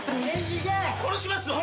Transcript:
殺しますわ。